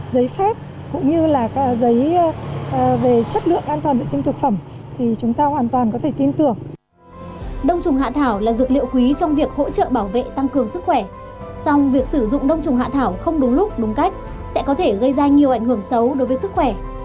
xong việc sử dụng đông trùng hạ thảo không đúng lúc đúng cách sẽ có thể gây ra nhiều ảnh hưởng xấu đối với sức khỏe